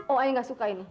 oh ayah gak suka ini